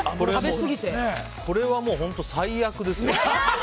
これは本当最悪ですよ。